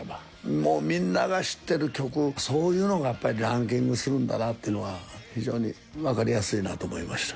もうみんなが知ってる曲、そういうのがやっぱりランキングするんだなっていうのが、非常に分かりやすいなと思いました。